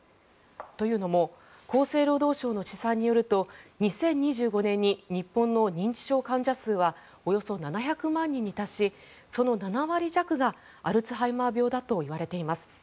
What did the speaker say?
というのも厚生労働省の試算によると２０２５年に日本の認知症患者数はおよそ７００万人に達しその７割弱がアルツハイマー病だといわれています。